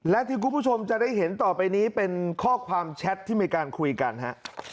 และที่คุณผู้ชมจะได้เห็นต่อไปนี้เป็นข้อความแชทที่มีการคุยกันฮะ